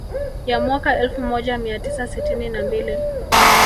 Ya mwaka elfu moja mia tisa sitini na mbili